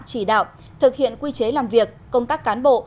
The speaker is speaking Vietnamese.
chỉ đạo thực hiện quy chế làm việc công tác cán bộ